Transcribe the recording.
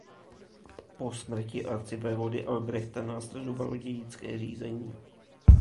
Po smrti arcivévody Albrechta následovalo dědické řízení.